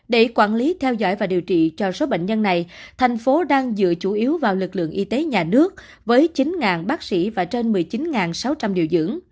để quản lý theo dõi và điều trị cho số bệnh nhân này thành phố đang dựa chủ yếu vào lực lượng y tế nhà nước với chín bác sĩ và trên một mươi chín sáu trăm linh điều dưỡng